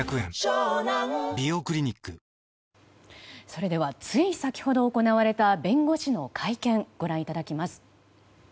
それではつい先ほど行われた弁護士の会見ご覧いただきます。